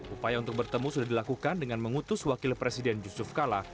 upaya untuk bertemu sudah dilakukan dengan mengutus wakil presiden yusuf kala